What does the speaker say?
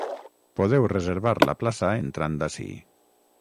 Podeu reservar la plaça entrant ací.